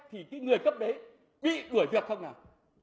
thì cái người cấp đấy bị gửi việc không nào